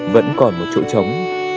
vẫn còn một chỗ trống